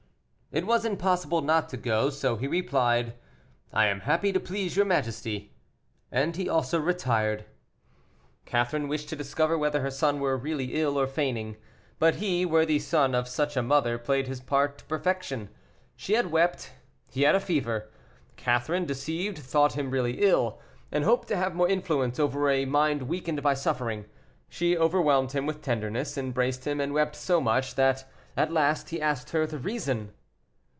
It was impossible not to go, so he replied, "I am happy to please your majesty," and he also retired. Catherine wished to discover whether her son were really ill or feigning. But he, worthy son of such a mother, played his part to perfection. She had wept, he had a fever. Catherine, deceived, thought him really ill, and hoped to have more influence over a mind weakened by suffering. She overwhelmed him with tenderness, embraced him, and wept so much that at last he asked her the reason.